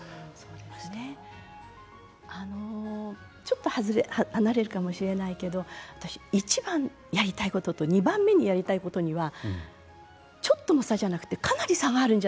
あのちょっと離れるかもしれないけど私一番やりたいことと２番目にやりたいことにはちょっとの差じゃなくてかなり差があるんじゃないかと思ってて。